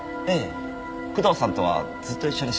工藤さんとはずっと一緒でした。